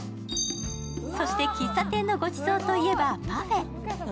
そして、喫茶店のごちそうといえばパフェ。